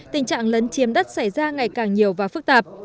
tình trạng lấn chiếm đất xảy ra ngày càng nhiều và phức tạp